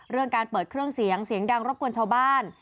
เรื่องการเปิดเครื่องเสียงเสียงดังรบกวนชาวบ้าน